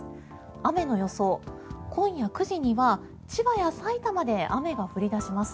雨の予想、今夜９時には千葉やさいたまで雨が降り出します。